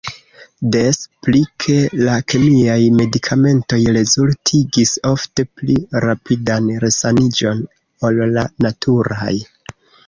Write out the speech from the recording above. Des pli ke la kemiaj medikamentoj rezultigis ofte pli rapidan resaniĝon ol la naturaj.